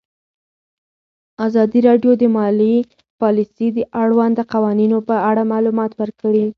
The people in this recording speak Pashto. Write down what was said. ازادي راډیو د مالي پالیسي د اړونده قوانینو په اړه معلومات ورکړي.